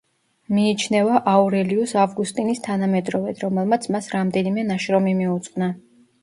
მიიჩნევა აურელიუს ავგუსტინის თანამედროვედ, რომელმაც მას რამდენიმე ნაშრომი მიუძღვნა.